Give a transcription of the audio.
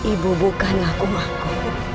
ibu bukan ngaku ngaku